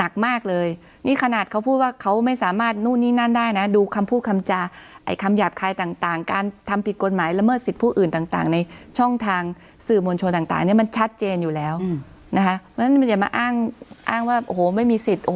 ทำยังไงเขาต้องแสดงออกยังไงหรือเราต้องยังไงถึงจะเข้าใจ